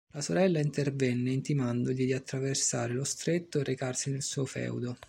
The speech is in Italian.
La sorella intervenne intimandogli di attraversare lo stretto e recarsi nel suo feudo.